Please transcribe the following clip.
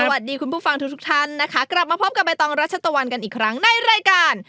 สวัสดีคุณผู้ฟังทุกทุกท่านนะคะกลับมาพบกับใบตองรัชตะวันกันอีกครั้งในรายการ